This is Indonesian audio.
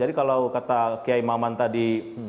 jadi kalau kata kiai maman tadi